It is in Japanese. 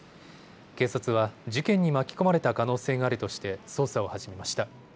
警察は事件に巻き込まれた可能性があるとして捜査を始めました。